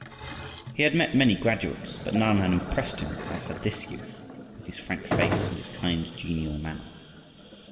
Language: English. He had met many graduates, but none had impressed him as had this youth, with his frank face and his kind, genial manner.